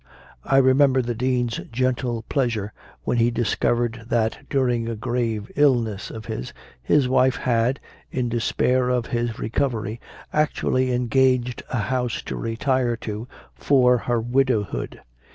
I remember the Dean s gentle pleasure when he discovered that, during a grave illness of his, his wife had, in despair of his recovery, actually engaged a house to retire to for her widowhood.